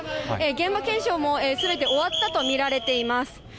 現場検証もすべて終わったと見られています。